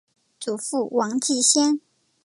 祖父王继先。